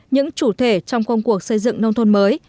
những chủ thể trong công cuộc xây dựng nông thôn mới